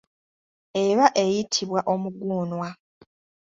Eba eyitibwa omuguunwa.